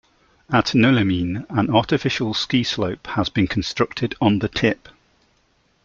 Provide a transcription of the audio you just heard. At Nœux-les-Mines, an artificial ski slope has been constructed on the tip.